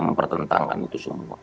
mempertentangkan itu semua